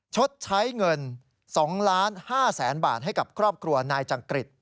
ชดใช้เงิน๒๕๐๐๐๐บาทให้กับครอบครัวนายจักริต